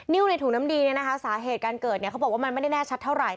ในถุงน้ำดีเนี่ยนะคะสาเหตุการเกิดเขาบอกว่ามันไม่ได้แน่ชัดเท่าไหร